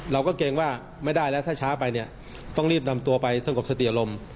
เกรงว่าไม่ได้แล้วถ้าช้าไปเนี่ยต้องรีบนำตัวไปสงบสติอารมณ์